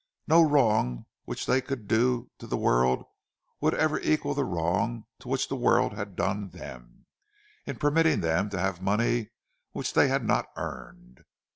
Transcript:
No wrong which they could do to the world would ever equal the wrong which the world had done them, in permitting them to have money which they had not earned.